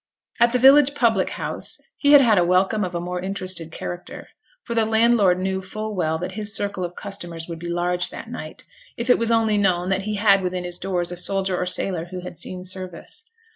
At the village public house he had had a welcome of a more interested character, for the landlord knew full well that his circle of customers would be large that night, if it was only known that he had within his doors a soldier or a sailor who had seen service.